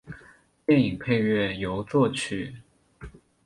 电影配乐由作曲。